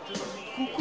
ここ］